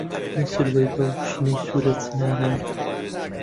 نە سروەی با و شنەی سوورە چناران